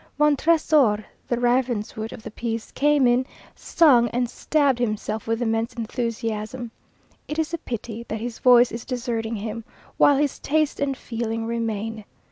Montresor, the Ravenswood of the piece, came in, sung, and stabbed himself with immense enthusiasm. It is a pity that his voice is deserting him, while his taste and feeling remain.